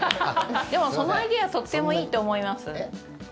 でも、そのアイデアとってもいいと思います。